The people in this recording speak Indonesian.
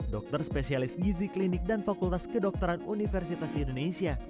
dokter spesialis gizi klinik dan fakultas kedokteran universitas indonesia